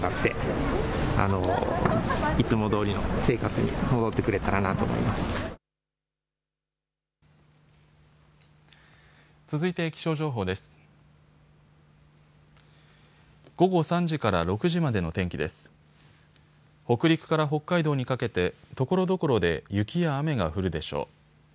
北陸から北海道にかけてところどころで雪や雨が降るでしょう。